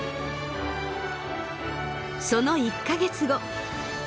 その１か月後。